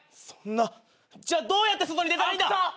じゃあどうやって外に出たらいいんだ！